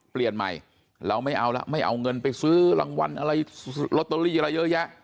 เปลี่ยนใหม่เราไม่เอาละไม่เอาเงินไปซื้อรางวัลอะไรลอตเตอรี่อะไรเยอะแยะ